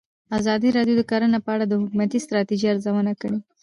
ازادي راډیو د کرهنه په اړه د حکومتي ستراتیژۍ ارزونه کړې.